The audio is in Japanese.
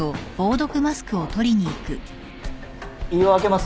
胃を開けます。